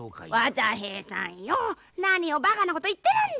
技平さんよう何をバカなこと言ってるんじゃい。